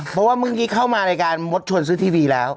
เพราะว่าเมื่อกี้เข้ามารายการมดชวนซื้อทีวีแล้ว